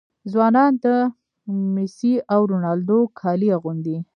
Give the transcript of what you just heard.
ځوانان د میسي او رونالډو کالي اغوندي.